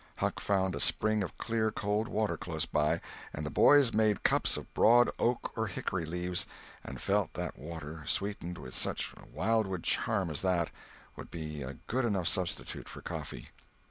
Huck found a spring of clear cold water close by, and the boys made cups of broad oak or hickory leaves, and felt that water, sweetened with such a wildwood charm as that, would be a good enough substitute for coffee.